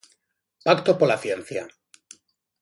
Pacto pola ciencia.